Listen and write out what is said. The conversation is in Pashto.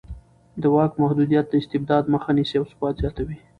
د واک محدودیت د استبداد مخه نیسي او ثبات زیاتوي